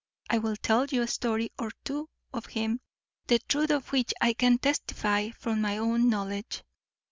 I will tell you a story or two of him, the truth of which I can testify from my own knowledge.